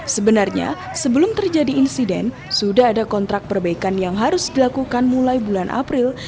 sebenarnya sebelum terjadi insiden sudah ada kontrak perbaikan yang harus dilakukan mulai bulan april